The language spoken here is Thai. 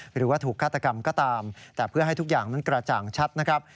หรือว่าถูกฆาตกรรมก็ตามแต่เพื่อให้ทุกอย่างนั้นกระจ่างชัดนะครับ